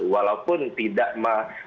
walaupun tidak mengkerbilkan kepentingan